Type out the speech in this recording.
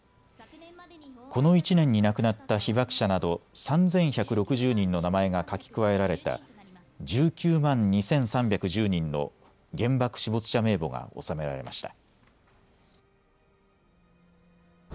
この１年に亡くなった被爆者など３１６０人の名前が書き加えられた１９万２３１０人の原爆死没者名簿が納められました。